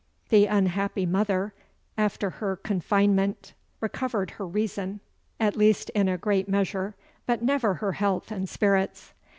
The unhappy mother, after her confinement, recovered her reason at least in a great measure, but never her health and spirits.